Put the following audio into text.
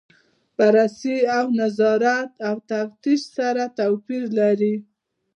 بررسي او نظارت او تفتیش سره توپیر لري.